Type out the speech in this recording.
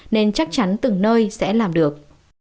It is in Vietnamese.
nên chắc chắn từng nơi sẽ làm được